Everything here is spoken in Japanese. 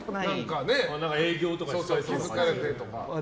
営業とかで気付かれてとか。